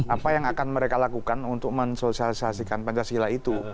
apa yang akan mereka lakukan untuk mensosialisasikan pancasila itu